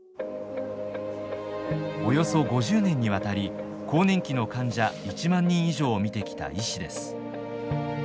およそ５０年にわたり更年期の患者１万人以上を診てきた医師です。